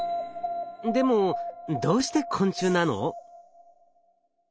でもどうして昆虫なの？